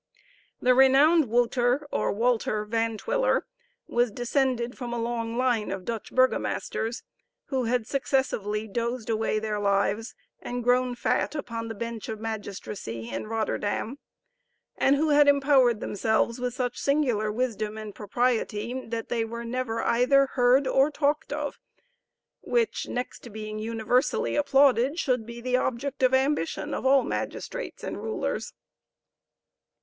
The renowned Wouter, or Walter, Van Twiller was descended from a long line of Dutch burgomasters, who had successively dozed away their lives, and grown fat upon the bench of magistracy in Rotterdam; and who had empowered themselves with such singular wisdom and propriety that they were never either heard or talked of which, next to being universally applauded, should be the object of ambition of all magistrates and rulers.